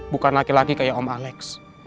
bukan laki laki kayak om alex